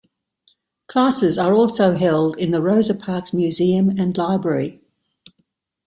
Classes are also held in the Rosa Parks Museum and Library.